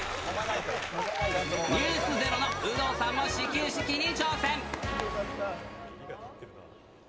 ｎｅｗｓｚｅｒｏの有働さんも始球式に挑戦。